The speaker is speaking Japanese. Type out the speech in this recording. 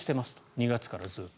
２月からずっと。